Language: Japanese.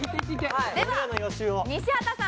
では西畑さん